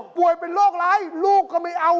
ป่วยเป็นโรคร้ายลูกก็ไม่เอา